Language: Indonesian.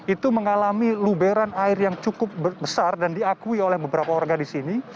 itu mengalami luberan air yang cukup besar dan diakui oleh beberapa warga di sini